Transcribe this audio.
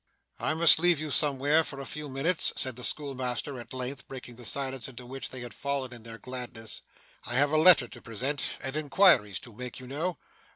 'I must leave you somewhere for a few minutes,' said the schoolmaster, at length breaking the silence into which they had fallen in their gladness. 'I have a letter to present, and inquiries to make, you know.